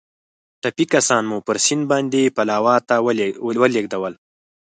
ټپي کسان مو پر سیند باندې پلاوا ته ولېږدول.